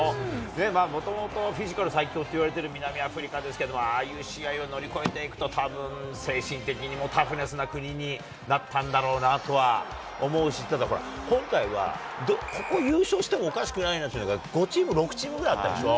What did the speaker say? まあ、もともとフィジカル最強といわれてる南アフリカですけども、ああいう試合を乗り越えていくと、たぶん精神的にもタフネスな国になったんだろうなぁとは思うし、ただ、今回はここ、優勝してもおかしくないなっていうのが、５チーム、６チームぐらいあったでしょ。